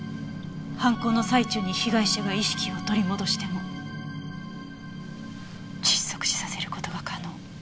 犯行の最中に被害者が意識を取り戻しても窒息死させる事が可能。